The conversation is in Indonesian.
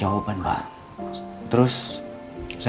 amat memanipulkan vnu pak